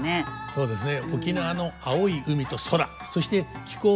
そうですね。